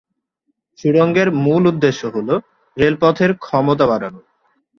সুড়ঙ্গের মূল উদ্দেশ্য হ'ল রেলপথের ক্ষমতা বাড়ানো।